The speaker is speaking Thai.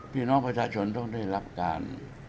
พี่น้องประชาชนต้องได้รับการ